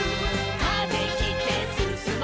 「風切ってすすもう」